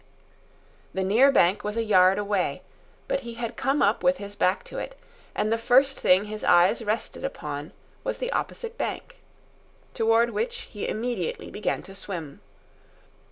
The near bank was a yard away; but he had come up with his back to it, and the first thing his eyes rested upon was the opposite bank, toward which he immediately began to swim.